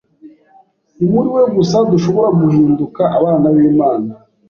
Ni muri we gusa dushobora guhinduka abana b’Imana